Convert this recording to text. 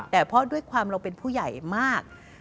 แต่เพราะด้วยความเราเป็นผู้ใหญ่มาก